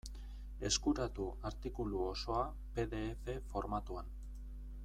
Eskuratu artikulu osoa pe de efe formatuan.